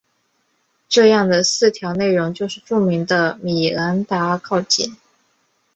这样的四条内容就是著名的米兰达告诫。